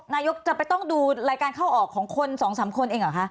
นายกจะต้องดูรายการเข้าออกของคน๒๓คนเองเหรอคะ